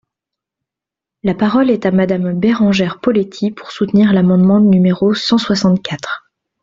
La parole est à Madame Bérengère Poletti, pour soutenir l’amendement numéro cent soixante-quatre.